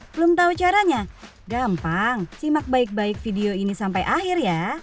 belum tahu caranya gampang simak baik baik video ini sampai akhir ya